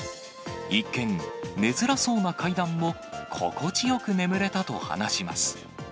一見、寝づらそうな階段も、心地よく眠れたと話します。